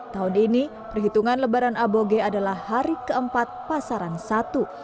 tahun ini perhitungan lebaran aboge adalah hari keempat pasaran satu